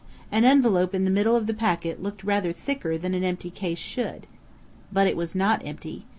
An envelope in the middle of the packet looked rather thicker than an empty case should.... _But it was not empty.